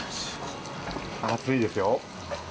暑いですよ。